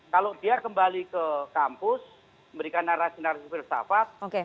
kalau dia kembali ke kampus memberikan narasi narasi filsafat